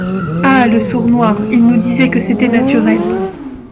Ah ! le sournois, il nous disait que c’était naturel !…